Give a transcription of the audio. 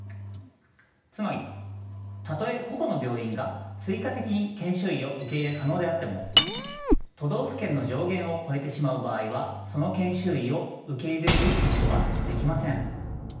つまりたとえ個々の病院が追加的に研修医を受け入れ可能であっても都道府県の上限を超えてしまう場合はその研修医を受け入れることはできません。